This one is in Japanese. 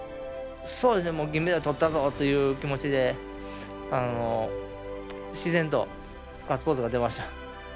銀メダルとったぞ！という気持ちで自然とガッツポーズが出ました。